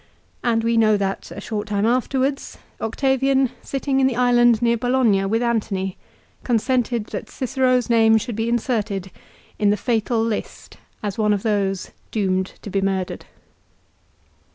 And we know that, a short time afterwards, Octavian sitting in the island near Bologna with Antony consented that Cicero's name should be inserted in the fatal list as one of those doomed to be murdered.